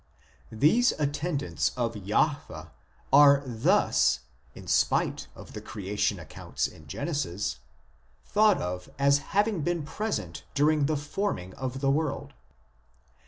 These attendants of Jahwe are thus, in spite of the creation accounts in Genesis, thought of as having been present during the forming of the world.